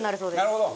なるほど！